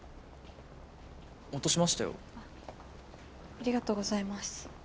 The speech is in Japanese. ありがとうございます。